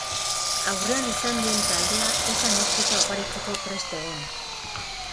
Aurrean izan duen taldea ez da neurketa oparitzeko prest egon.